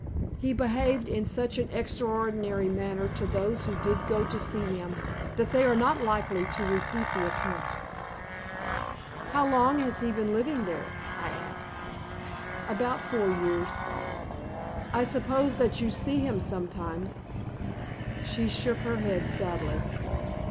He behaved in such an extraordinary manner to those who did go to see him, that they are not likely to repeat the attempt." "How long has he been living there?" I asked. "About four years." "I suppose that you see him sometimes?" She shook her head sadly.